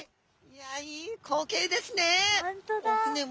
いやいい光景ですね！